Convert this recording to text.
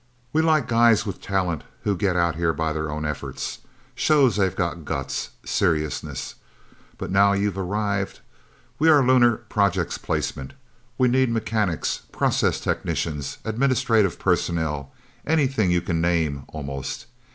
We like guys with talent who get out here by their own efforts. Shows they got guts seriousness! But now you've arrived. We are Lunar Projects Placement. We need mechanics, process technicians, administrative personnel anything you can name, almost.